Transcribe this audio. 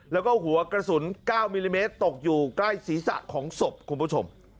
แล้วก็หัวกระสุน๙มิลลิเมตรตกอยู่ใกล้ศีรษะของศพคุณผู้ชม